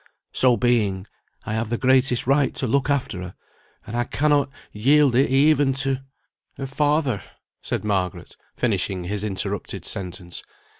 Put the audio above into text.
So being, I have the greatest right to look after her, and I cannot yield it even to " "Her father," said Margaret, finishing his interrupted sentence.